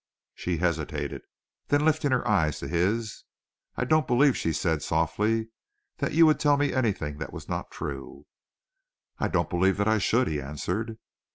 She hesitated. Then, lifting her eyes to his, "I don't believe," she said softly, "that you would tell me anything that was not true." "I don't believe that I should," he answered.